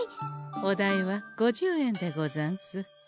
お代は五十円でござんす。